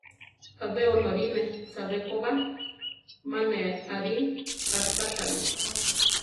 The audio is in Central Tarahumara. Abe onorine chabé ko ba, ma ne arí achachane.